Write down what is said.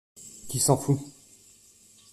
Qui s'en fout.